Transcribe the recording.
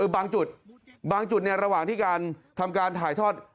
บางจุดระหว่างที่ทำการถ่ายทอด